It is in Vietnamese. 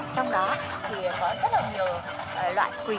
trong đó thì có rất là nhiều loại quý kiếm